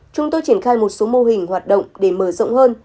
chúng tôi triển khai một số mô hình hoạt động để mở rộng hơn